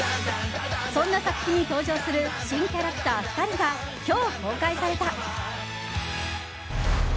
そんな作品に登場する新キャラクター２人が今日、公開された。